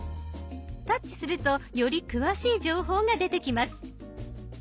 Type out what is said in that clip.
タッチするとより詳しい情報が出てきます。